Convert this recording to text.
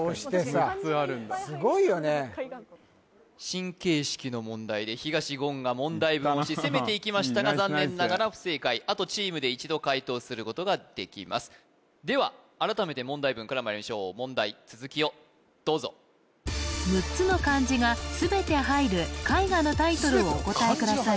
確かに６つあるんだすごいよね新形式の問題で東言が問題文押し攻めていきましたが残念ながら不正解あとチームで１度解答することができますでは改めて問題文からまいりましょう問題続きをどうぞ６つの漢字が全て入る絵画のタイトルをお答えください